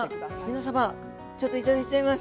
皆様ちょっといただいちゃいます。